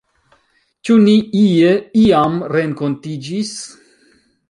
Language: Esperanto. Ĉu ni ie, iam renkontiĝis?